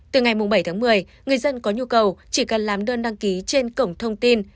từ ngày bảy tháng một mươi người dân có nhu cầu chỉ cần làm đơn đăng ký trên cổng thông tin